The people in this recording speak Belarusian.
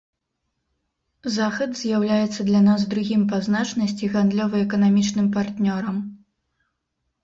Захад з'яўляецца для нас другім па значнасці гандлёва-эканамічным партнёрам.